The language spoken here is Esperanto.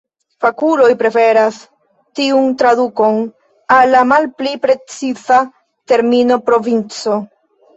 Fakuloj preferas tiun tradukon al la malpli preciza termino provinco.